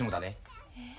え？